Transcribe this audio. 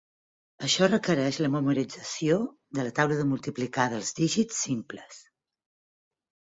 Això requereix la memorització de la taula de multiplicar dels dígits simples.